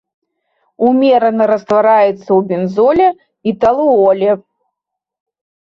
Умерана раствараецца ў бензоле і талуоле.